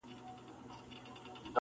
• د غار خوله کي تاوېدله ګرځېدله..